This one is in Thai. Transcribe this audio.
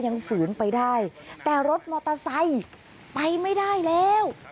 ฝืนไปได้แต่รถมอเตอร์ไซค์ไปไม่ได้แล้ว